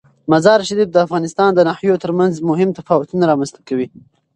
مزارشریف د افغانستان د ناحیو ترمنځ مهم تفاوتونه رامنځ ته کوي.